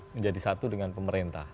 menjadi satu dengan pemerintah